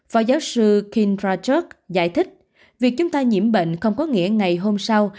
phó giáo sư kindra chok giải thích việc chúng ta nhiễm bệnh không có nghĩa ngày hôm sau